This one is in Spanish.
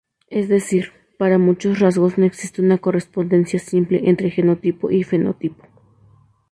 Es decir, para muchos rasgos no existe una correspondencia simple entre genotipo y fenotipo.